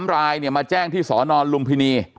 ๓รายมาแจ้งที่สนลุมพินี